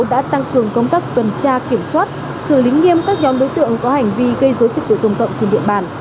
đã tăng cường công tác tuần tra kiểm soát xử lý nghiêm các nhóm đối tượng có hành vi gây rối trích tự tùng cộng trên địa bàn